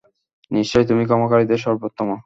নিশ্চয় তুমি ক্ষমাকারীদের সর্বোত্তম।